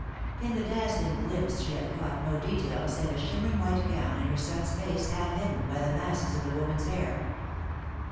In the dazzling glimpse she had caught no detail save a shimmering white gown and her son's face half hidden by the masses of the woman's hair.